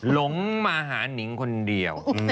หลงมาหานิงคนเดียว